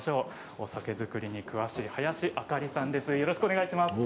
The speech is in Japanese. お酒造りに詳しい林明李さんです。